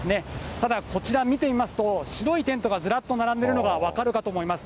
ただ、こちら見てみますと、白いテントがずらっと並んでいるのが分かるかと思います。